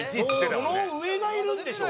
この上がいるんでしょ？